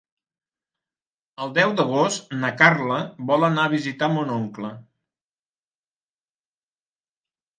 El deu d'agost na Carla vol anar a visitar mon oncle.